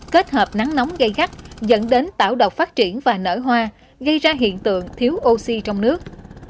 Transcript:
kết hợp nắng nóng gây gắt dẫn đến tảo độc phát triển và nở hoa gây ra hiện tượng thiếu oxy trong nước